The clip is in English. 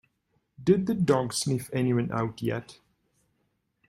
Did the dog sniff anyone out yet?